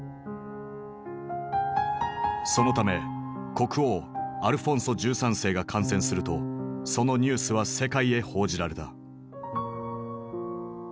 そのため国王アルフォンソ１３世が感染するとそのニュースは世界へ報じられた。